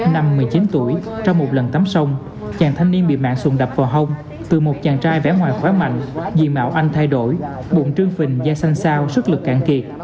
năm một mươi chín tuổi trong một lần tắm sông chàng thanh niên bị mạng sùng đập vào hông từ một chàng trai vẽ ngoài khói mạnh diện mạo anh thay đổi bụng trương phình da xanh sao sức lực cạn kiệt